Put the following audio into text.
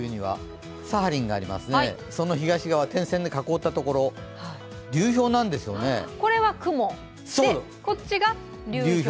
サハリンがありますね、その東側、点線で囲ったところ、これは雲、こっちは流氷。